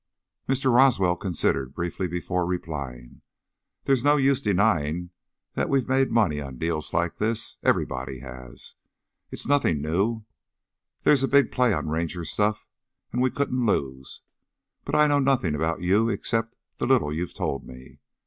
Mr. Roswell considered briefly before replying. "There's no use denying that we've made money on deals like this everybody has. So it's nothing new. There's a big play on Ranger stuff and we couldn't lose. But I know nothing about you except the little you've told me.